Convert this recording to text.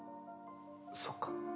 そっか。